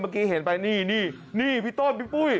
เมื่อกี้เห็นไปนี่นี่พี่ต้นพี่ปุ้ย